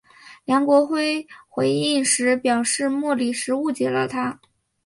梁国辉回应时表示莫礼时误解了他。